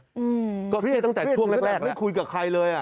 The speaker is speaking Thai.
อืมเครียดตั้งแต่ช่วงแรกแล้วคุยกับใครเลย